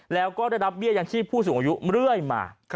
แล้วก็ได้รับเบี้ยยังชีพผู้สูงอายุเรื่อยมา